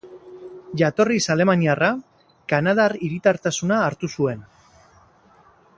Jatorriz alemaniarra, kanadar hiritartasuna hartu zuen.